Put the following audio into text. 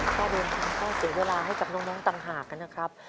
ก็โดยมีคำสั่งเสียเวลาให้จากน้องต่างหากนะครับ